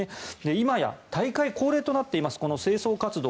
今や大会恒例となっている清掃活動